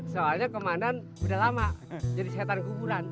soalnya komandan udah lama jadi setan kuburan